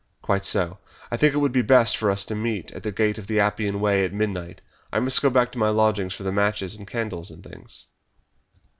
"Quite so. I think it would be best for us to meet at the Gate of the Appian Way at midnight. I must go back to my lodgings for the matches and candles and things."